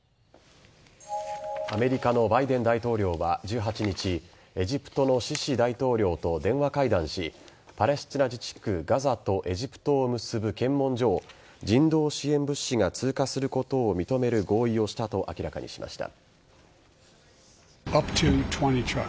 アメリカのバイデン大統領は１８日エジプトのシシ大統領と電話会談しパレスチナ自治区・ガザとエジプトを結ぶ検問所を人道支援物資が通過することを認める合意をしたと明らかにしました。